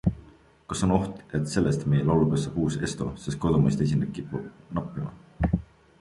Kas on oht, et sellest meie laulupeost saab uus ESTO, sest kodumaiseid esinejaid kipub nappima?